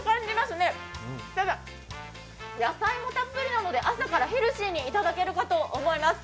ただ、野菜もたっぷりなので朝からヘルシーにいただけるかと思います。